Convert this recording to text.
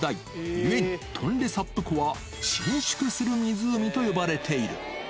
ゆえに、トンレサップ湖は伸縮する湖と呼ばれている。